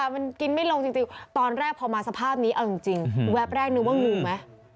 มันกินไม่ลงจริงตอนแรกพอมาสภาพนี้เอาจริงแวบแรกนึกว่างูไหม